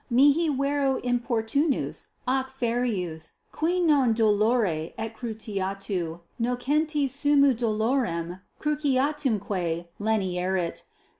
Mihi vero importunus ac ferreus, qui non dolore et cruciatu nocentis suum dolorem cruciatumque lenierit.